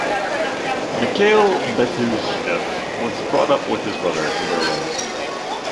Mikhail Bestuzhev was brought up with his brother in Berlin.